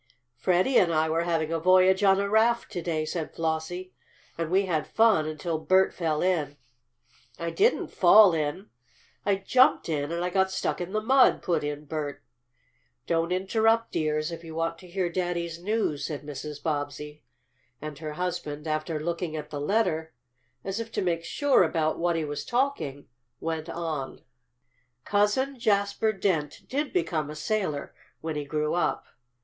"Freddie and I were having a voyage on a raft to day," said Flossie. "And we had fun until Bert fell in." "I didn't fall in I jumped in and I got stuck in the mud," put in Bert. "Don't interrupt, dears, if you want to hear Daddy's news," said Mrs. Bobbsey, and her husband, after looking at the letter, as if to make sure about what he was talking, went on. "Cousin Jasper Dent did become a sailor, when he grew up.